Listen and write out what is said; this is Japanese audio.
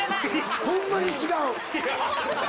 ホンマに違う！